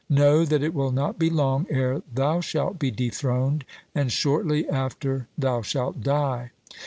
Know that it will not be long ere thou shalt be dethroned, and shortly after thou shalt die!'